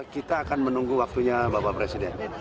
kita akan menunggu waktunya bapak presiden